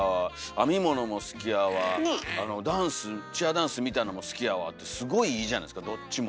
編み物も好きやわダンスチアダンスみたいのも好きやわってすごいいいじゃないですかどっちも。